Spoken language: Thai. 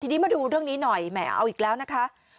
ทีนี้มาดูเรื่องนี้หน่อยแหมเอาอีกแล้วนะคะ